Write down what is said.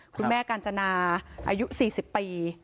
คุณแม่กาญจนาอายุ๔๐ปี